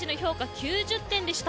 ９０点でした。